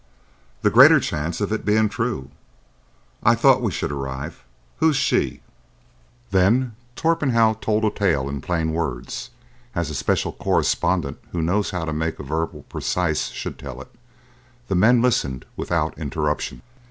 "The greater chance of its being true. I thought we should arrive. Who is she?" Then Torpenhow told a tale in plain words, as a special correspondent who knows how to make a verbal précis should tell it. The men listened without interruption.